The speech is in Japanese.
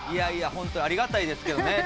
ホントありがたいですけどね。